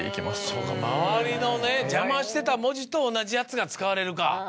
そうか周りの邪魔してた文字と同じやつが使われるか。